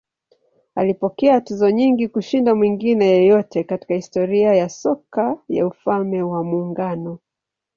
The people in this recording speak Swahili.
Alipokea tuzo nyingi kushinda mwingine yeyote katika historia ya soka ya Ufalme wa Muungano.